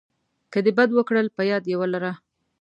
که د بد وکړل په یاد یې ولره .